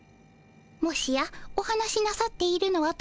もしやお話しなさっているのはプリンさま？